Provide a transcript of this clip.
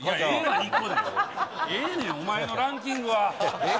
１個でええねん、お前のランキングは。